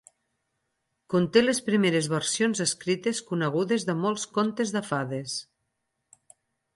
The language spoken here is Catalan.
Conté les primeres versions escrites conegudes de molts contes de fades.